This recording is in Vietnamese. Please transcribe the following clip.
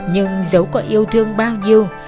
nhưng dẫu có yêu thương bao nhiêu